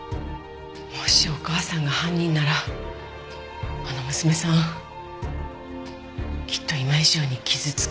もしお母さんが犯人ならあの娘さんきっと今以上に傷つくわね。